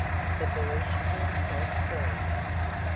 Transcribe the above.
The boy shook himself free.